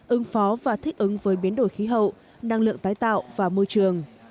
ứng phó và thích ứng với biến đổi khí hậu năng lượng tái tạo và môi trường